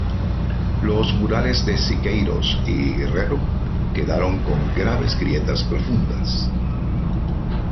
Los Murales de Siqueiros y Guerrero quedaron con graves grietas profundas.